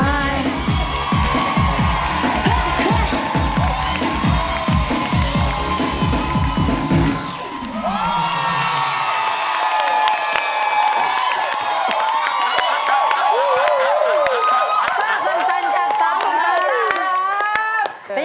เสียบรรยาภาพ